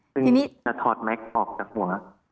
คือจะทอดแม็กซ์ออกจากหัว